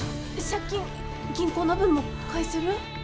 借金銀行の分も返せる？